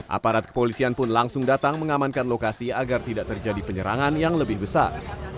aparat kepolisian pun langsung datang mengamankan lokasi agar tidak terjadi penyerangan yang lebih besar